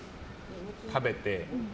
食べて。